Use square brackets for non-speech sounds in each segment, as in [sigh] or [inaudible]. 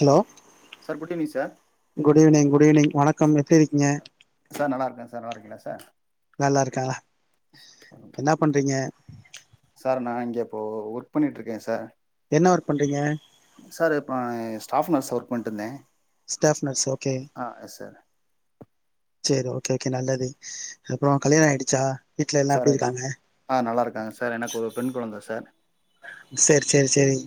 Hello sir good evening sir good evening good evening வணக்கம் எப்டி இருக்கீங்க சார் நல்லா இருக்கேன் சார் நல்லா இருக்கீங்களா சார் நல்லா இருக்கா ல என்ன பண்றீங்க சார் நான் இங்கே இப்போ ஒர்க் பண்ணிட்டுருக்கேன் சார் என்ன ஒர்க் பண்றீங்க சார் இப்போ ஸ்டாஃப் நர்ஸ்சா ஒர்க் பண்ணிட்டுருந்தேன் ஸ்டாஃப் நர்ஸ் ஓகே ஆ எஸ் சார் சேரி ஓகே ஓகே நல்லது அப்பறம் கல்யாணம் ஆயிடுச்சா வீட்ல எல்லாம் சார் எப்டி இருக்காங்க ஆ நல்லாருக்காங்க சார் எனக்கு ஒரு பெண் கொழந்த சார் சேரி சேரி சேரி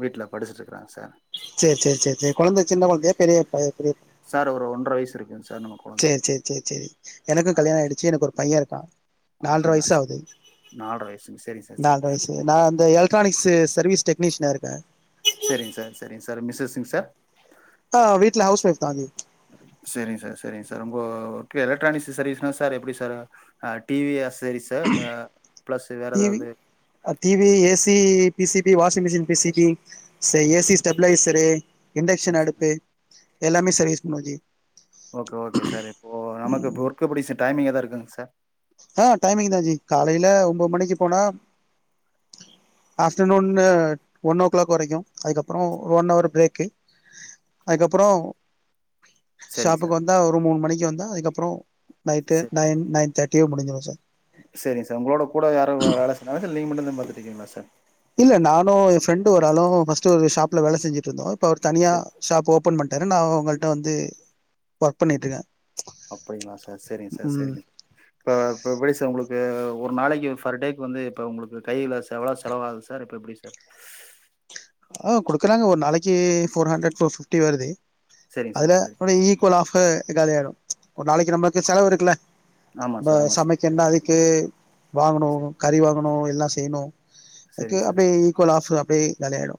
வீட்ல படிச்சிட்டு இருக்கறாங்க சார் சேர் சேர் சேர் சேர் கொழந்த சின்ன கொழந்தையா பெரிய பெரிய சார் ஒரு ஒன்ற வயசு இருக்கு சார் நம்ம குழந்தைக்கு சேர் சேர் சேர் சேரி எனக்கும் கல்யாணம் ஆயிடுச்சு எனக்கு ஒரு பையன் இருக்கான் அப்டிங்களா சார் நால்ர வயசுங்க சேரி சார் சேரி நால்ர வயசு நா அந்த எலக் ட்ரானிக்ஸ் சர்வீஸ் டெக்னீஷியனா இருக்கேன் சேரிங்க சார் சேரிங்க சார் மிஸ்ஸஸ்ங்க சார் ஆஹ் வீட்ல ஹவுஸ் வொய்ஃப் தான் அது சேரிங்க சார் சேரிங்க சார் உங்க ஓகே எலக்ட்ரானிக்ஸ் சர்வீஸ்னா சார் எப்டி சார் ஆஹ் டி வி அசசரிஸா பிளஸ் வேற ஏதாவது ஆஹ் T V A C P C P washing P C P ச A C stabiliser induction S அடுப்பு எல்லாமே சர்வீஸ் பண்ணுவஜி ஓகே ஓகே சார் இப்போ நமக்கு இப்ப ஒர்கு எப்டி ச டைமிங் எதாது இருக்குங்க சார் ஆஹ் டைமிங் தான் ஜி காலையில ஒன்பது மணிக்கு போனா ஆஃப்டர்நூன் ஒன் ஓ கிளாக் வரைக்கும் அதுக்கப்புறம் ஒன் ஹவர் பிரேக்கு அதுக்கப்புறம் சரிங்க சார் ஷாப்புக்கு வந்தா ஒரு மூணு மணிக்கு வந்தா அதுக்கப்புறம் நைட்டு நைன் நைன் தேவை முடிஞ்சிடும் சார் சரி சார் உங்களோட கூட யார வேலை செய்றாங்களா சார் இல்ல நீங்க மட்டும் தான் பாத்துட்டுருகீங்களா சார் இல்ல நானும் என் ஃப்ரெண்டு ஓரு ஆளும் ஃபர்ஸ்ட் ஒரு ஷாப்ல வேலை செஞ்சுட்டு இருந்தோம் இப்போ அவர் தனியா சரி ஷாப் ஓப்பன் பண்ணிட்டரு நான் அவங்கள்க்ட வந்து ஒர்க் பண்ணிட்டுருக்கேன் அப்படிங்களா சார் சேரிங்க சார் சேரிங்க இப்ப இப்ப எப்படி சார் உங்களுக்கு ஒரு நாளைக்கு ஃபர் டேக்கு வந்து இப்ப உங்களுக்கு கையில செவ்வா செலவாகுது சார் இப்போ எப்படி சார் ஆ கொடுக்கறாங்க ஒரு நாளைக்கு ஃபோர் ஹண்ட்ரட் ஃபோர் ஃபிப்டி வருது சரிங்க சார் அதுல சரி ஃபார் ஈ [unintelligible] ஆஃப்பு காலியாயிறு ஒரு நாளைக்கு நம்மளுக்கு செலவு இருக்குல ஆமாம் ப சார் ஆமாம் சார் சமைக்கன்னா அதுக்கு வாங்கணு சரி கறி வாங்கணு எல்லா செய்யணு அதுக்கு சரிங்க சார் அப்படியே ஈக்வல் ஆஃப் அப்படியே காலியாயிடு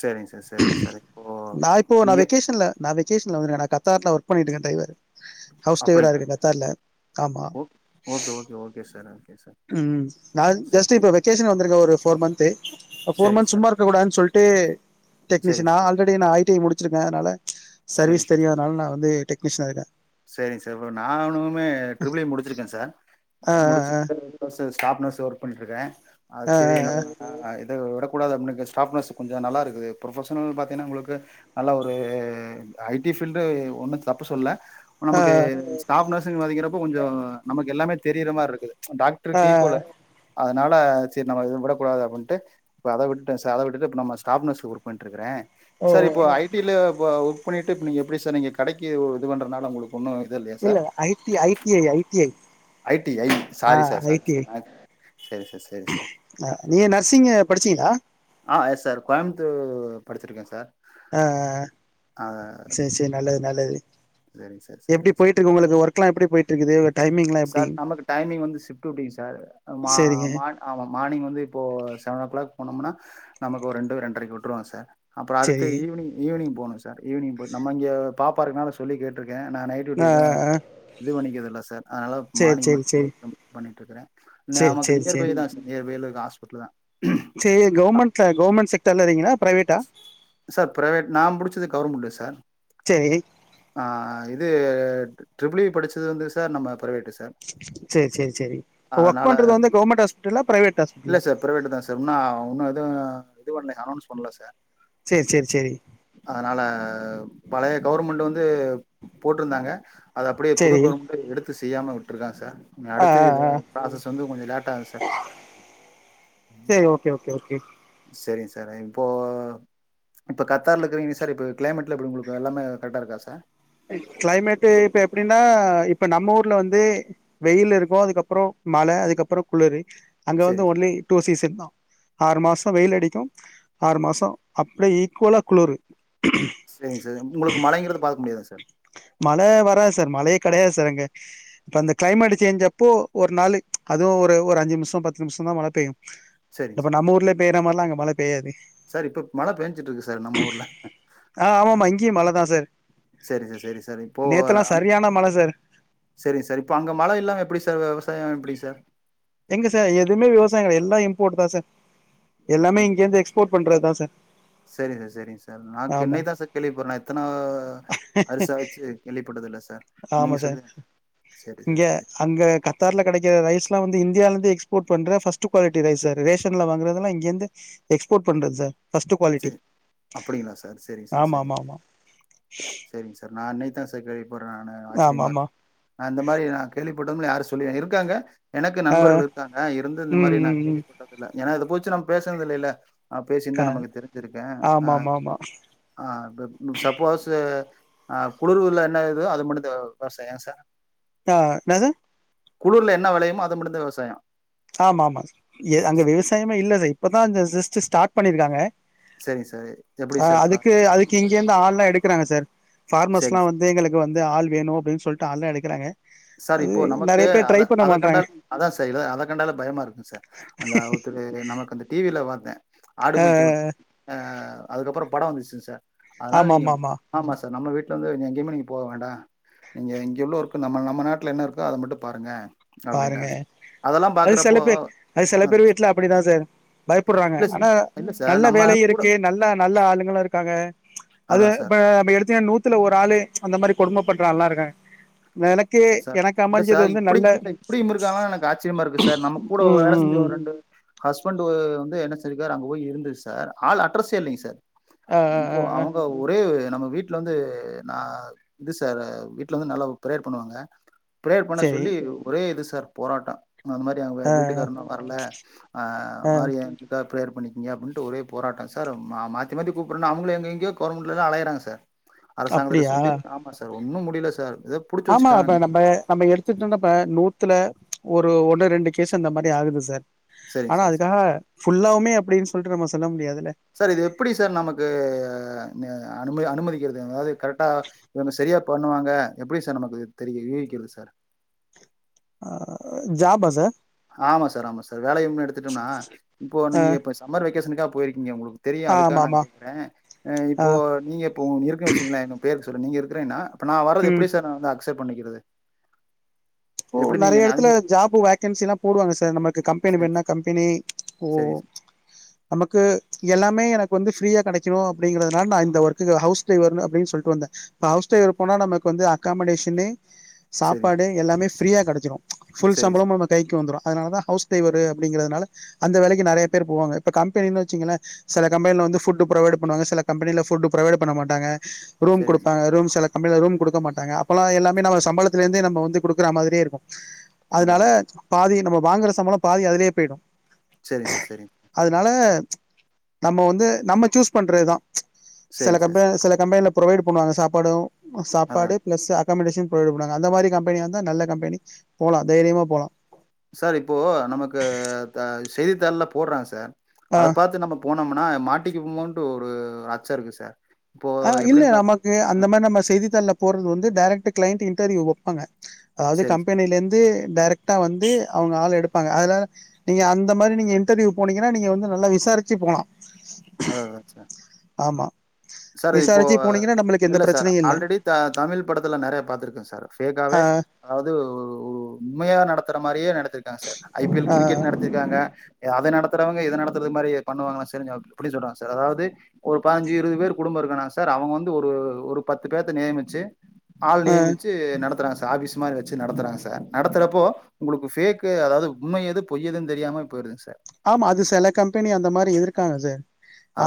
சரிங் சார் சரிங்க சார் நா இப்போது இப்போ நா நீங்கள் வெகேஷன்ல நான் வெகேஷன்ல வந்துருக்கே நான் கத்தார்ட்ல ஒர்க் பண்ணிட்டுக்கே டிரைவர் ஹவுஸ் டிரைவரா அப்படிங்களா இருக்கர கத்தார்ல ஆமா okay okay okay okay sir okay sir ம் நா சரி ஜஸ்ட்டு இப்ப வெ கேஷன் வந்திருக்க ஒரு ஃபோர் மந்த்து ஒரு ஃபோர் சரிங்க மந்த் சார் சும்மா இருக்க கூடான் சொல்ட்டு சரிங்க டெக்னிஷியனா சார் ஆல்ரெ டி நா ஐ டி ஐ முடிச்சிருக்கே அதனால சரிங்க சர்வீஸ் தெரியு அதனால நா வந்து டெக்னிஷியன் ஆயிர்வ செரிங் சார் நான்னுமே ட்ரிபிள்இ முடிச்சிருக்கே சார் ஆ முடிச்சுட்டு [unintelligible] ஸ்டாப் நர்ஸ் ஒர்க் பண்ணிருக்கே அது ஆ சரி நம்ம ஆ இத உடக்கூடாது அப்னு இருக்கே ஸ்டாப் நர்ஸ் கொஞ்ச நல்லா இருக்குது ப்ரொபஷனல் பாத்தீங்கன்னா உங்களுக்கு நல்லா ஒரு ஐ டி பீல்டு ஒண்ணு தப்பு சொல்ல ஆ ஆ நமக்கு ஸ்டாஃப் நர்ஸ்ன் மதிக்கிறப்போ கொஞ்சோ நமக்கு எல்லாமே தெரியிர மார்ருக்குது ஆ டாக்ட்ருக் ஈக்குல அதனால சேர் நம்ம இத விடக்கூடாது அப்பன்ட்டு இப்ப அத விட்டுட்ட ச அத விட்டுட்டு நம்ம ஸ்டாப் நர்ஸ் ஒர்க் பண்ட்டுருக்குறே ஓ சார் இப்போ ஐ டி ல ஒர்க் பண்ணிட்டு இப்ப நீங்க எப்படி சார் நீங்க கடைக்கு இது பண்றதுனால உங்களுக் ஒண்ணு இது இல்லையா இல்ல sir I T I T I I T I I T I sorry sir sorry sir நா அ நீங்க நர்சிங்கு படிச்சீங்களா ஆ எஸ் சார் கோயம்புத்தூ படிச்சிருக்கே சார் ஆ ஆ சேர் சேர் நல்லது நல்லது செரிங் சார் எப்டி செரிங் சார் போயிட்டு இருக்கு உங்களுக்கு ஒர்க்லா எப்டி போயிட்டு இருக்குது டைமிங்லா எப்டி சார் நமக்கு டைமிங் வந்து ஷிப்ட் டூட்டி சார் மா சரிங்க மா ஆமா மார்னிங் வந்து இப்போ செவன் ஓ கிளாக் போனோம்னா நமக்கு ஒரு ரெண்டு இண்டரைக்கு உட்டுருவாங் சார் அப்புற அடுத்து சரி evening evening phone sir evening நம்ம இங்க பாப்பா இருக்கனால சொல்லி கேட்ருக்கே நா நைட் டூட்டி ஆ தா ஆ இது பண்ணக்கதல்ல சார் அதனால சரி மார்னிங் சரி மட்டு சரி போய் [inaudible] பண்ணிட்ருக்கறே சரி நமக்கு சரி சரி நியர்பை தா நியர்பைல இருக்க ஹாஸ்பிடல் தா செ கவர்மெண்ட்ல கவர்மெண்ட் செக்டர்ல இருக்கிங்களா பிரைவேட்டா சார் ப்ரைவேட் நா முடுச்சது கவர்மெண்ட்டு சார் சேரி ஆ இது ட்ரிபிள்இ படிச்சது வந்து சார் நம்ம பிரைவேட்டு சார் சேர் சேர் சேரி இப்ப ஒர்க் அதனால பண்றது வந்து கவர்மெண்ட் ஹாஸ்பிடலா பிரைவேட் ஹாஸ்பிடலா பிரைவேட்டு தா சார் இன்னு இன்னு எது இது பண்ணல அனொன்ஸ் பண்ல சார் சேர் சேர் சேரி அதனால பழைய கவர்மெண்டு வந்து போட்ருந்தாங்க அது அப்டியே புது சரி கவர்மெண்டு எடுத்து செய்யாம உட்டுருக்கா சார் ஆ அடுத்து ஆ இது ஆ ப்ராசஸ் வந்து கொஞ்ச லேட்டாகு சார் சேர் ஓகே ஓகே ஓகே சேரிங் சார் இப்போ இப்ப கத்தார்ல இருக்கீங்க சார் இப்ப கிளைமேட் லா எப்டி உங்களுக்கு எல்லாமே கரெக்டா இருக்கா சார் கிளைமேட்டே இப்ப எப்டின்னா இப்ப நம்ம ஊர்ல வந்து வெயிலு இருக்கும் அதுக்கப்றோ மழை அதுக்கப்றோ குளிரு அங்க வந்து சரிங்க ஒன்லி டூ சீசன் தா ஆறு மாசம் வெயில் அடிக்கும் ஆறு மாசம் அப்டியே ஈக்குவலா குளுரு சேரிங்க சார் உங்களுக்கு மழைங்கறத பாக்க முடியாதா சார் மழ வராது சார் மழையே கெடையாது சார் அங்க இப்ப அந்த கிளைமேட் சேஞ் அப்போ ஒரு நாளு அதுவு ஒரு அஞ்சு நிமிஷம் பத்து நிமிஷம் தா மழ பெய்யு சரிங்க இப்ப சார் நம்ம ஊர்ல பெய்ற மாறில்லா அங்க மழ பெய்யாது சார் இப்ப மழ பேஞ்சுட்டு இருக்கு சார் நம்ம ஊர்ல ஆ ஆமாமா இங்கேயு மழ தா சார் சேரி சார் சேரி சார் இப்போ நேத்தெல்லா அங் சரியான மழ சார் சேரிங் சார் இப்ப அங்க மழ இல்லாம எப்டி சார் விவசாயம் எப்டி சார் எங்க சார் எதுவுமே விவசாயம் கெடயாது எல்லா இம்போட் தா சார் எல்லாமே இங்கேருந்து எக்ஸ்போட் பண்றதுதா சார் சேரி சார் சேரிங்க சார் நாக் ஆமா இன்னைக்குதா சார் கேள்வி பட்றே இத்தன வயசாச்சு கேள்விப்பட்டது இல்ல சார் ஆமா நீங்க சார் சொல்லி தா எனக்கு தெரியு சேரி சார் இங்க சேரி அங்க க ர்ல கிடைக்குற ரைஸ்ல்லா வந்து இந்தியாலருந்து எக்ஸ்போட் பண்ற ஃபர்ஸ்ட் குவாலிட்டி ரைஸ் சார் ரேஷன்ல வாங்குறதுல்லா இங்கந்து எக்ஸ்போட் பண்றது சார் ஃபர்ஸ்ட்டு குவாலிட்டி சேரி அப்டிங்களா சார் ஆமா ஆமா ஆமா சேரிங் சார் நா இன்னைக்கு தா சார் கேள்வி பட்றே நானு ஆமா ஆச்சரியமா இருக் ஆமா நா இந்த மாறி நா கேள்விப்பட்டதும் இல்ல யாரும் சொல்லி இருக்காங்க எனக்கும் ஆ நண்பர்கள் இருக்காங்க இருந்து இந்த ம் மாறி நா ம் ம் கேள்விப்பட்டது இல்ல ஏன்னா இத போச்சு நம்ம பேசுனது இல்லைல்ல அ பேசிருந்தா க நமக்கு தெரிஞ்சிருக்கு ஆ ஆமா ஆமா ஆமா ஆ ப்ப சப்போஸ்சு ஆ குளுருள்ள என்ன ஏதோ அது மட்டும் விவசாயம் ஏன் சார் தா என்னது குளுருல என்ன வெலயுமோ அது மட்டுந்தா விவசாயம் ஆமா ஆமா ஏ அங்க விவசாயமே இல்ல சார் இப்பதா ஜஸ்ட் ஸ்டார்ட் பண்ணியிருக்காங்க சேரிங்க சார் எப்டி ஆ சார் ப்ரா அதுக்கு அதுக்கு இங்க இருந்து ஆள்ல்லா எடுக்கறாங்க சார் சேரிங்க சார் ஃபார்மஸ்ல்லா வந் து எங்களுக்கு வந்து ஆள் வேணும் அப்டின்னு சொல்ட்டு ஆள்லா எடுக்குறாங்க அது நெறய பேரு ட்ரை பண்ண மாட்றாங்க அத்தா சார் இ அத கண்டாலே பயமா இருக்கும் சார் அந்த ஒருத்தரு நமக்கு அந்த டி வி ல பாத்தே ஆடு மேக்க உட் ஆ அதுக்கப்றோ படோ வந்துச்சு சார் அதனால ஆமா நீங்க ஆமா ஆமா சார் நம்ம வீட்ல இருந்து நீ எங்கேயுமே நீங்க போக வேண்டா நீங்க இங்க உள்ள ஒர்க்கு நம்பள நம் ப நாட்ல என்ன இருக்கோ அத மட்டு பாருங்க பாருங்க அப்டின்ட்டாங்க அதெல்லா அது சில பாக்குறப்போ பேர் அது சில பேர் வீட்ல அப்டிதா சார் பயப்புட்றாங்க இல்ல ஆனா சார் இல்ல சார் நல்ல நம்ம வேலையு கூட இருக்கு நல் ல நல்ல ஆளுங்களு இருக்காங்க அது அதா இப்ப சார் நம்ம எடுத்திங்கன்னா நூத் துல ஒரு ஆளு அந்த மாறி கொடுமை பண்ற ஆள்ல்லா இருக்காங்க எனக்கு எனக்கு அமைஞ்சது வந்து நல்ல இப்டியு இருக்காங்கன்னா எனக்கு ஆச்சரியமா இருக்கு சார் நம்ம கூட ம் வேல ம் செஞ்ச ம் ஒரு ரெண்டு ஹஸ்பண்ட் வந்து என்ன செஞ்சுருக்காரு அங்க போயி இருந்தது சார் ஆள் அட்ரஸ்சே இல்லைங் சார் ஆ இப்போ ஆ ஆ அவுங்க ஒரே நம்ம வீட்ல வந்து நா இது சார் வீட்ல வந்து நல்லா ப்ரேயர் பண்ணுவாங்க ப்ரேயர் பண்ண செரி சொல்லி ஒரே இது சார் போராட்டம் அந்த மாறி அங்க ஆ வீட்டுக்காரனு வர்ல அ ஆ மாறி இதுக்காக பிரேயர் பண்ணிக்கங்க அப்படின்ட்டு ஒரே போராட்டம் சார் மாத்தி மாத்தி கூப்பிட்றேன்னு அவங்களும் எங்க எங்கயோ கவர்மெண்ட் எல்லா அலையிறாங்க சார் அரசாங்த்துகிட்ட அப்டியா சொல்லி ஆமா சார் ஒன்னும் முடியல சார் இதோ ஆமா இப்ப நம்ம நம்ம எடுத் கிட்டோதட்ட நூத்துல ஒரு ஒண்ணு ரெண்டு கேஸ் அந்த மாரி ஆகுது சார் சரிங்க ஆனா சார் சரி அதுக்காக ஃபுல்லாவுமே அப்டின்னு சொல்ட்டு நம்ம சொல்ல முடியாதுல்ல சார் இது எப்டி சார் நமக்கு ந அனுமதி அனுமதிக்கிறது அதாவது கரெக்டா இவுங்க செரியா பண்ணுவாங்க எப்டி சார் நமக்கு தெரியு யூவிக்கிறது சார் ஆ ஜாப் ஆ சார் ஆமா சார் ஆமா சார் வேலையுமே எடுத்துட்டோம்னா இப்போ ஆ நீங்க இப்ப சம்மர் வெக்கேஷனுக்கா போயிருகீங்க உங்களுக்கு தெரியு ஆமா அதுக்கான நா ஆமா கேக்குறே ஆ இப்போ நீங்க இப்போ இருக்கேனு வச்சுங்களே இன்னு பேரு சொல்லு நீங்க இருக்கிறீன்னா இப்ப நா வர்றது ம் எப்டி சார் நா வந்து அக்செப்ட் பண்ணிக்கிறது இப்போ எப்படி நீங்க நெறைய என்னைய இடத்துல அனுமதி ஜாப் வேகன்சில்லா போடுவாங்க சார் நமக் கு கம்பெனி சரி வேணுன்னா சார். கம்பெனி ஓ சரிங்க சார். நமக்கு எல்லாமே எனக்கு வந்து ஃப்ரீயா கெடைக்கணு அப்படிங்கிறதுனால நா இந்த ஒர்க்கு ஹவுஸ் டிரைவர் அப்டின்னு சொல்ட்டு வந்தே இப்ப ஹவுஸ் டிரைவர் போனா நமக்கு வந்து அக்காமடேஷன்னு சரிங்க சாப்பாடு சார். எல்லாமே ஃப்ரியா கெடைச்சிரு ஃபுல் சரிங்க சார். சம்பளமு நமக் கு கைக்கு வந்துரு அதனாலதா ஹவுஸ் டிரைவரு அப்டிங்கிறதுனால அந்த வேலைக்கி நெறைய பேர் போவாங்க இப்ப கம்பெனின்னு வச்சிக்கோங்களே சில கம்பெனில வந்து ஃபுட் புரொவைட் பண்ணுவாங்க சில கம்பெனில ஃபுட் புரோவைட் பண்ண மாட்டாங்க ரூம் சரிங்க சார். குடுப்பாங்க ரூம் சில கம்பெனில ரூம் குடுக்க மாட்டாங்க அப்பெல்லா எல்லாமே நம்ம சம்பளத்துல இருந்து நம்ம வந்து குடுக் குற மாதிரியே இருக்கு அதான் அதனால அதான். பாதி நம்ம வாங்குற சம்பளம் பாதி அதுலயே போயிடு செரி சார் செரிங்க அதுனால நம்ம வந்து நம்ம சூஸ் பண்றதுதா செல சரிங்க சார், கம்பெ சரி. செல கம்பெனில புரொவைட் பன்னுவாங்க சாப்பாடு சாப்பாடு அதான். பிளஸ் அக்காமடேஷன் புரைவைட் பண்ணுவாங்க அந்த மாரி கம்பெனி வந் தா நல்ல கம்பெனி போலா தைரியமா போலா சார் இப்போ நமக்கு செய்தித்தாள்ல போட்றாங்க சார் ஆ அத பாத்து நம்ம போனம்னா மாட்டிக்குவோமோனுட்டு ஒரு அச்சோ இருக்கு சார் இப்போ ஆ இல்ல எப்படின்னு பார்த்து நமக்கு அந்த மாரி நம்ம செய்தித்தாள்ல போட்றது வந்து டைரக்ட் கிளைண்ட் இன்டர்வியூ வைப்பாங்க அது சரிங்க சார். கம்பெனில இருந்து டேரெக்ட்டா வந்து அவங்க ஆள் எடுப்பாங்க அதுனால நீங்க அந்த மாரி நீங்க இன்டர்வியூ போனீங்கன்னா நீங்க வந்து நல்லா விசாரிச்சி போலா அதா அதா நெனச்சே ஆமா சார் இப்போ விசாரிச்சு போனீங்கன்னா நம்மளுக்கு எந்த இல்ல சார் பிரச்சனையு இல்ல ஆல்ரெடி த தமிழ் படத்துல நெறையா பாத்துருக்கே சார் ஆ பேஃக்காவே அதாவது உண்மையா நடத்துற மாரியே நடத்திருக்காங்க சார் ஐ பி எல் ஆ கிரிக்கெட் நடத்திருக்காங்க அத நடத்துறவங்க இத நடத்துறது மாரி பண்ணுவாங்களா செரின்னு அப்டி சொல்றாங்க சார் அதாவது ஒரு பதினஞ்சி இருபது பேர் குடும்போ இருக்குன்னா சார் அவங்க வந்து ஒரு ஒரு பத்து பேத்த நியமிச்சி ஆள் ஆ நியமிச்சி நடத்துறாங்க சார் ஆபிஸ் மாரி வச்சி நடத்துறாங்க சார் நடத்துறப்போ உங்களுக்கு பேக்கு அதாவது உண்ம எது பொய் எதுன்னு தெரியாமயே போயிருதுங்க சார் ஆமா அது செல கம்பெனி அந்த மாரி இருகாங்க சார்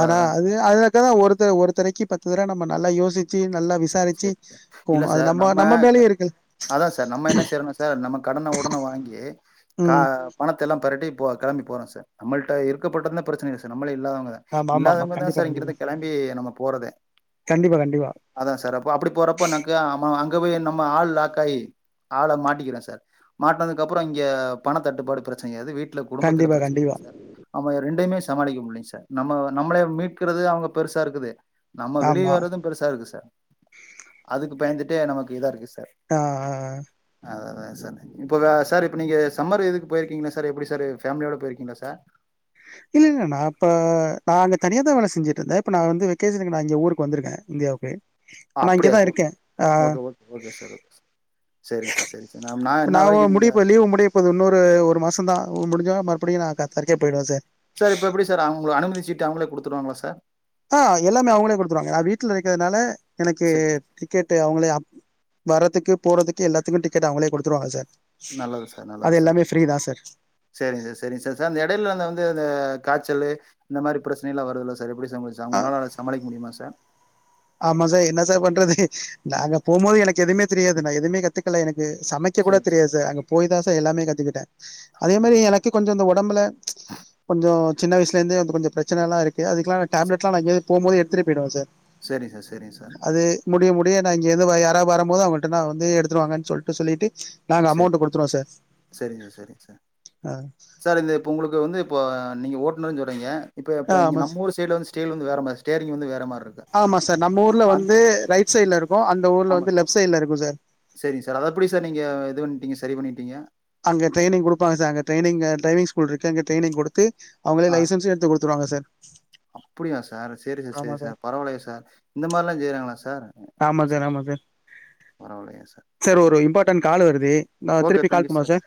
ஆனா அது அத தா ஒரு ஒரு தரைக்கு பத்து தரவ நம்ம நல்லா யோசிச்சி நல்லா விசா இல்ல சார் நம்ம மேலயே இருக்கு அதா சார் நம்ம என்ன செய்றோன்னா சார் நம்ம கடன உடன வாங்கி கா ம் பணத்த எல்லா பெரட்டி போ கெளம்பி போறோ சார் நம்மள்ட்ட இருக்கப்பட்டதுனா பிரச்சனை இல்ல சார் நம்மளே இல்லாதவங்க ஆமா ஆமா ஆமா இல்லாதவங்கதா கண்டிப்பா சார் கண்டிப்பா இங்கருந்து கெளம்பி நம்ம போறதே கண்டிப்பா கண்டிப்பா அதா சார் ஓ அப்டி போறப்ப எனக்கு அங்க போய் நம்ம ஆள் லாக் ஆயி ஆள மாட்டிக்கிறே சார் மாட்னதுக்கு அப்பறோ இங்க பண தட்டுப்பாடு பிரச்சனைையாது வீட்ல குடும்பத்துல கண்டிப்பா பிரச்சனை கண்டிப்பா ஆகுது சார் அவ ரெண்டயுமே சமாளிக்க முடியலேங்க சார் நம்ம நம்மளயே மீட்கறதே அவங்க பெருசா இருக்குது நம்ம வெளிய ஆமா வர்றது பெருசா இருக்கு சார் அதுக்கு பயந்துட்டே நமக்கு இதா இருக்கு சார் ஆ ஆ அததா இப்ப வ சார் இப்ப நீங்க சம்மர் இதுக்கு போயிருக்கீங்களா சார் எப்படி சார் ஃபேமிலியோட போயிருக்கீங்களா சார் இல்லை இல்ல நா இப்ப நா அங்க தனியாதா வேலை செஞ்சுட்டுருந்தே இப்ப நா வந்து வெக்கேஷனுக்கு நா இங்க ஊருக்கு வந்துருக்கே இந்தியாவுக்கு ஆ, இப்ப நா இங்க அப்படியா தா ஓகே இருக்கே, அ okay okay sir okay sir, சேரிங்க சார் சேரி சார் நா நா இன்ன வரைக்கு நீங்க முப்பது இன்னு ஒரு மாசம்தா முடிஞ்சோன மறுபடியு நா கத்தாருக்கே போயிடுவே சார் சார் இப்ப எப்டி சார் அவங்க அனுமதி சீட்டு அவங்களே குடுத்துடுவாங்களா சார் ஆ எல்லாமே அவங்களே குடுத்துருவாங்க நா வீட்ல இருக்கிறனால எனக்கு சரிங்க சார். டிக்கெட் அவங்களே அ வர்றதுக்கு போறதுக்கு எல்லாத்துக்கு டிக்கெட் அவங்களே குடுத்துருவாங்க சார் அது எல்லாமே ஃப்ரீதா சார் சேரிங்க சார் சேரிங்க சார், சார் அந்த எடையில அந்த வந்து அந்த காய்ச்சலு இந்த மாரி பிரச்சனை எல்லா வருதுல்ல சார் எப்டி எக்ஸாம்பிள்ஸ் ஆ அவங்களால அத சமாளிக்க முடியுமா சார் ஆமா சார் என்ன சார் பண்றது நா அங்க போம்போது எனக்கு எதுமே தெரியாது நா எதுமே கத்துக்கல எனக்கு சமைக் க கூட சரி தெரியாது சார், அங்க போயிதா சார் எல்லாமே கத்துக்கிட்டே அதே அப்படியா. மாரி எனக் கி கொஞ்சோ இந்த ஒடம்புல கொஞ்சோ சின்ன வயசுல இருந்தே கொஞ்சோ பிரச்சனை எல்லா இருக்கு அதுக்குலா நா டேப்லெட்லா நா இங்கேந்து போம்போதே எடுத்துட்டு போயிடுவ சார் சேரி சார் சேரிங்க சார் அது முடிய முடிய நா இங்கேந்து வ யாரா வரும்போது அவங்கள்ட நா வந்து எடுத்துடுவாங்கன்னு சொல்ட்டு சொல்லிட்டு நாங்க சரி அமோண்ட் குடுத்துருவோ சார் சரிங்க சார் சரிங்க சார். ஆ சார் இந்த இப்ப உங்களுக்கு வந்து இப்போ நீங்க ஓட்டுநர்னு சொல்றீங்க இப்ப இப்ப இங்க ஆமா சார் நம்மஊரு சைடுல வந்து ஸ்டில் வந்து வேற மாரி ஸ்டேரிங் வந்து வேற மாரி இருக்கு ஆமா சார் நம்ம ஊர்ல அந் வந்து ரைட் சைடுல இருக்கு அந்த ஊர்ல வந்து லெப்ட் சைடுல இருக்கு சார் சேரிங்க சார் அத எப்படி சார் நீங்க இது பண்ட்டீங்க சரி பண்ணிட்டீங்க அங்க டிரைனிங் குடுப்பாங்க சார் டிரைனிங் அ டிரைவிங் ஸ்கூல் இருக்கு அங்க டிரைனிங் குடுத்து அவங்களே ஆ லைசன்ஷ்ம் எடுத்து குடுத்துருவாங்க சார் அப்படியா சார் சேரி சார் சேரி சார் பரவாயில்லயே சார் இந்த மாரிலா செய்யறாங்களா சார் ஆமா சார், ஆமா சார் பரவால்லையே சார் சார் ஒரு இம்பார்ட்டன்ட் கால் வருது நா ஓகே. திருப்பி தேங்க் கால் யூ பண்ணவா சார்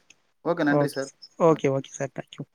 ஓகே நன்றி சார் ஆ. Okay okay sir thank you